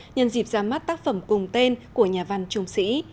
nhân dịp ra mắt tác phẩm cùng tên của nhà văn trung sĩ